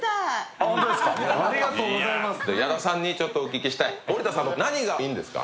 矢田さんにお聞きしたい、森田さんの何がいいんですか？